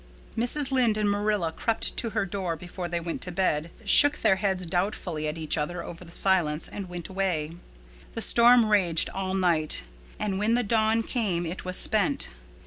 Mrs. Lynde and Marilla crept to her door before they went to bed, shook their heads doubtfully at each other over the silence, and went away. The storm raged all night, but when the dawn came it was spent.